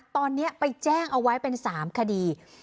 ตอนนี้ไปแจ้งเอาไว้เป็น๓คดี